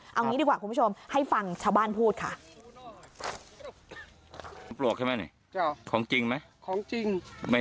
เอางี้ดีกว่าคุณผู้ชมให้ฟังชาวบ้านพูดค่ะ